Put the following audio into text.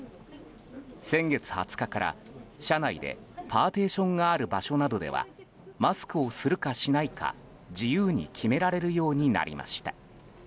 先月２０日から社内でパーティションがある場所などではマスクをするかしないか自由に決められるようになりました。